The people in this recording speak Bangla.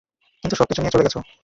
কিন্তু সবকিছু নিয়ে চলে গেছো।